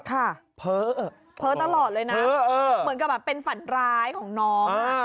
ถ้าเผ้อเบอตลอดเลยน่ะเหมือนกับเป็นฝันร้ายของนังนั่นแหละ